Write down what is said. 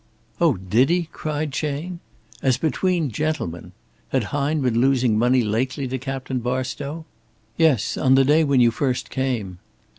"Oh, did he?" cried Chayne. "'As between gentlemen.' Had Hine been losing money lately to Captain Barstow?" "Yes, on the day when you first came."